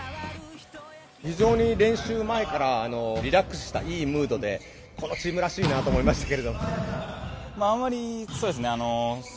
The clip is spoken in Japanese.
非常に練習前からリラックスしたいいムードでこのチームらしいなと思いましたが。